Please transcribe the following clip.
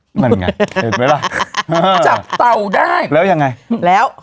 นั่นไงเห็นไหมล่ะจับเตาได้แล้วยังไงแล้ว